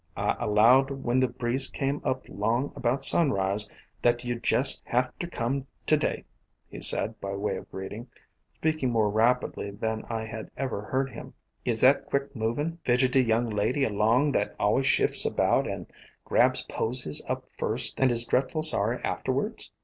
I allowed when the breeze came up long about sun 254 A COMPOSITE FAMILY rise that you 'd jest have ter come to day," he said, by way of greeting, speaking more rapidly than I had ever heard him. "Is that quick movin', fidgety young lady along that always shifts about and grabs posies up first and is drefful sorry a'ter wards?"